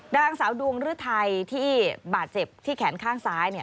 นางสาวดวงฤทัยที่บาดเจ็บที่แขนข้างซ้าย